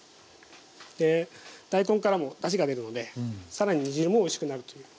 大根からもだしが出るのでさらに煮汁もおいしくなるという。